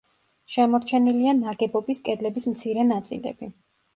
შემორჩენილია ნაგებობის კედლების მცირე ნაწილები.